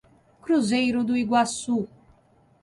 Cruzeiro do Iguaçu